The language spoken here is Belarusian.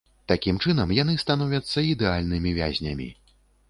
Такім чынам, яны становяцца ідэальнымі вязнямі.